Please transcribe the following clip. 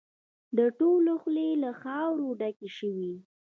د ټولو خولې له خاورو ډکې شوې.